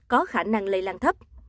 có khả năng lây lan thấp